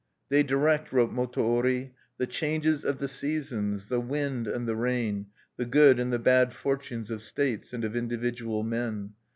"They direct," wrote Motowori, "the changes of the seasons, the wind and the rain, the good and the bad fortunes of states and of individual men."